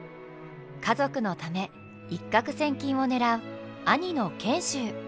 家族のため一獲千金を狙う兄の賢秀。